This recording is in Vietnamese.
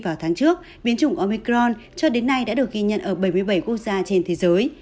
vào tháng trước biến chủng omicron cho đến nay đã được ghi nhận ở bảy mươi bảy quốc gia trên thế giới